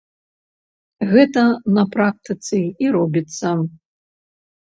Гэта на практыцы і робіцца.